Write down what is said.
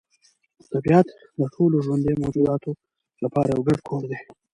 طبیعت د ټولو ژوندیو موجوداتو لپاره یو ګډ کور دی.